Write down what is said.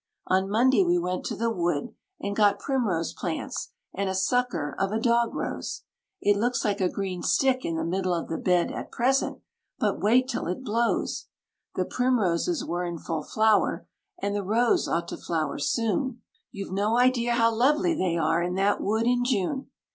On Monday we went to the wood and got primrose plants and a sucker of a dog rose; It looks like a green stick in the middle of the bed at present; but wait till it blows! The primroses were in full flower, and the rose ought to flower soon; You've no idea how lovely they are in that wood in June!